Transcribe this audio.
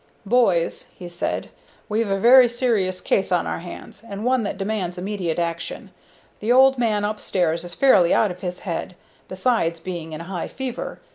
"Boys," he said, "we've a very serious case on our hands, and one that demands immediate action. The old man up stairs is fairly out of his head, besides being in a high fever.